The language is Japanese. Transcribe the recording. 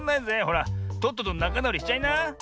ほらとっととなかなおりしちゃいな。